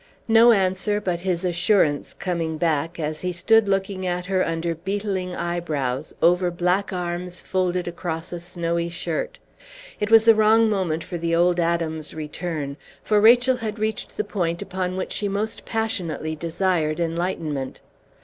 No answer, but his assurance coming back, as he stood looking at her under beetling eyebrows, over black arms folded across a snowy shirt. It was the wrong moment for the old Adam's return, for Rachel had reached the point upon which she most passionately desired enlightenment.